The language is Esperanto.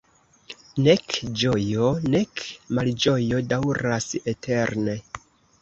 Nek ĝojo, nek malĝojo daŭras eterne.